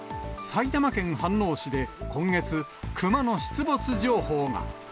埼玉県飯能市で、今月、クマの出没情報が。